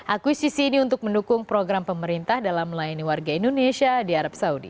akuisisi ini untuk mendukung program pemerintah dalam melayani warga indonesia di arab saudi